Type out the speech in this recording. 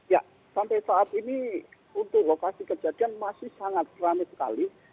ya sampai saat ini untuk lokasi kejadian masih sangat rame sekali